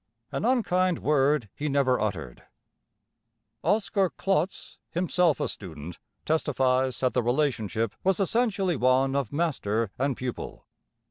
An unkind word he never uttered." Oskar Klotz, himself a student, testifies that the relationship was essentially one of master and pupil.